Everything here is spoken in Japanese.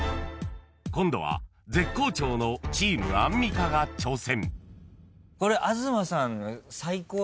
［今度は絶好調のチームアンミカが挑戦］